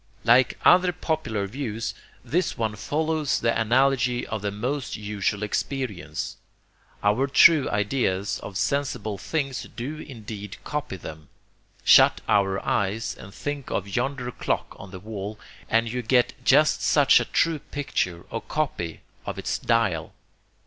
Like other popular views, this one follows the analogy of the most usual experience. Our true ideas of sensible things do indeed copy them. Shut your eyes and think of yonder clock on the wall, and you get just such a true picture or copy of its dial.